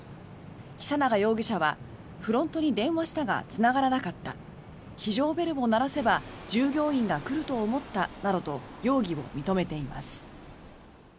久永容疑者はフロントに電話したがつながらなかった非常ベルを鳴らせば従業員が来ると思ったなどと容疑を認めています。